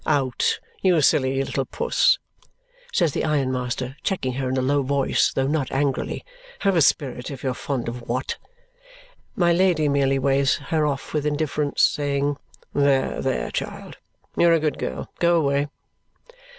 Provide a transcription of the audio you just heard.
"Out, you silly little puss!" says the ironmaster, checking her in a low voice, though not angrily. "Have a spirit, if you're fond of Watt!" My Lady merely waves her off with indifference, saying, "There, there, child! You are a good girl. Go away!"